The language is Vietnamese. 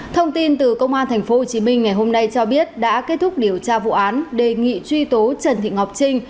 thông tin từ công an tp hcm ngày hôm nay cho biết đã kết thúc điều tra vụ án đề nghị truy tố trần thị ngọc trinh